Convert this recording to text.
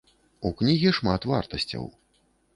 У кнігі шмат вартасцяў.